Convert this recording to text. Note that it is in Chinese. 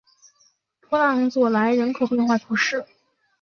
普朗佐莱人口变化图示